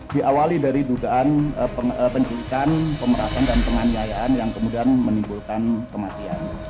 diawali dari dugaan penculikan pemerasan dan penganiayaan yang kemudian menimbulkan kematian